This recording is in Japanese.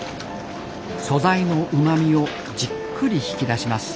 素材のうまみをじっくり引き出します。